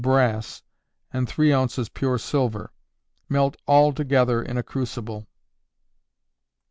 brass, and 3 oz. pure silver. Melt all together in a crucible.